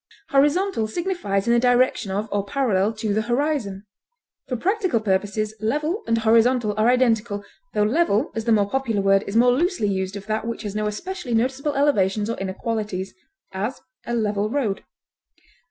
Horizontal signifies in the direction of or parallel to the horizon. For practical purposes level and horizontal are identical, tho level, as the more popular word, is more loosely used of that which has no especially noticeable elevations or inequalities; as, a level road.